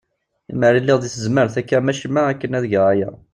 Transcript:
Lemer lliɣ deg tezmert akka am acemma akken ad egeɣ aya.